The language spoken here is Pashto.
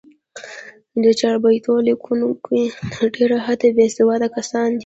د چاربیتو لیکوونکي تر ډېره حده، بېسواد کسان دي.